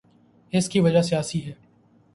اس کی وجہ سیاسی ہے۔